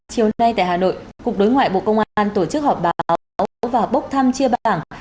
chiều nay tại hà nội cục đối ngoại bộ công an tổ chức họp báo và bốc thăm chia bảng